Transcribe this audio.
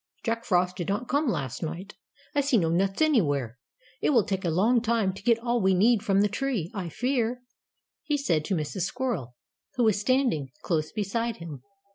"Jack Frost did not come last night. I see no nuts anywhere. It will take a long time to get all we need from the tree, I fear," he said to Mrs. Squirrel, who was standing close beside him.